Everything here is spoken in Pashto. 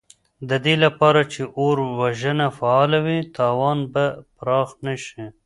د دې لپاره چې اور وژنه فعاله وي، تاوان به پراخ نه شي.